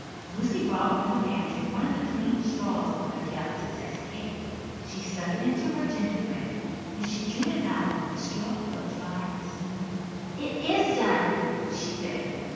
Lucy brought from the pantry one of the clean straws Mother kept to test cake. She stuck it into her gingerbread. When she drew it out the straw felt dry and smooth. "It is done," she said.